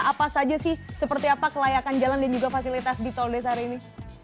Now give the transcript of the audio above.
apa saja sih seperti apa kelayakan jalan dan juga fasilitas di tol desari ini